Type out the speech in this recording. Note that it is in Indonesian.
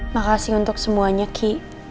makasih untuk semuanya ki